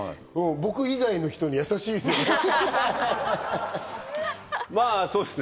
僕以外の人にやさしいですよね。